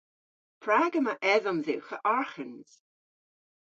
Prag yma edhom dhywgh a arghans?